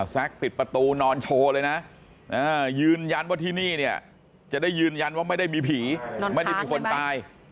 ปิดประตูนอนโชว์เลยนะยืนยันว่าที่นี่เนี่ยจะได้ยืนยันว่าไม่ได้มีผีไม่ได้มีคนตาย